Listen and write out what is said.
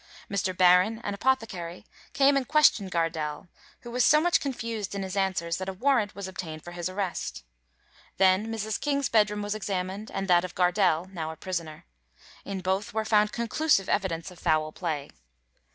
Mr. Barron, an apothecary, came and questioned Gardelle, who was so much confused in his answers that a warrant was obtained for his arrest. Then Mrs. King's bedroom was examined, and that of Gardelle, now a prisoner. In both were found conclusive evidence of foul play.